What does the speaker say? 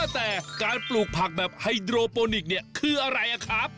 แต่การปลูกผักแบบไฮธูโปรนิกคืออะไรน่ะครับ